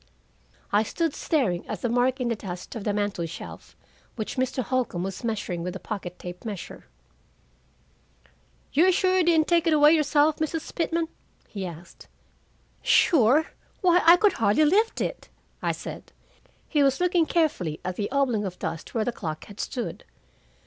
I stood staring at the mark in the dust of the mantel shelf, which Mr. Holcombe was measuring with a pocket tape measure. "You are sure you didn't take it away yourself, Mrs. Pitman?" he asked. "Sure? Why, I could hardly lift it," I said. He was looking carefully at the oblong of dust where the clock had stood.